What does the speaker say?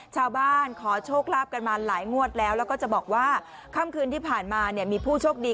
ชาวบ้านขอโชคขอลาบกันมาหลายงวดแล้วแล้วก็จะบอกว่าคำคืนที่ผ่านมามีผู้โชคดี